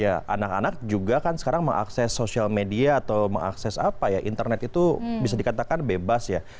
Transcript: ya anak anak juga kan sekarang mengakses sosial media atau mengakses apa ya internet itu bisa dikatakan bebas ya